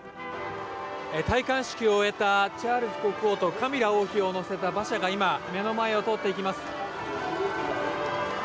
戴冠式を終えたチャールズ国王とカミラ王妃を乗せた馬車が今、目の前を通っていきます。